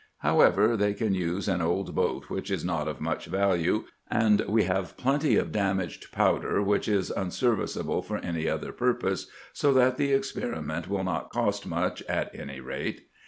However, they can use an old boat which is not of much value, and we have plenty of damaged powder which is unserviceable for any other purpose, so that the experiment will not cost much, at any rate."